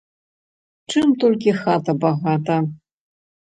Чым толькі хата багата.